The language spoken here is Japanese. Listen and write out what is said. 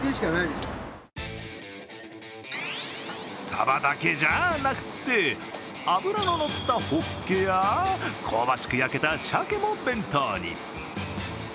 サバだけじゃなくて脂の乗ったホッケや香ばしく焼けたシャケも弁当に。